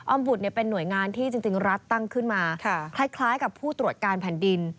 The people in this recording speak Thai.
บุตรเป็นหน่วยงานที่จริงรัฐตั้งขึ้นมาคล้ายกับผู้ตรวจการแผ่นดิน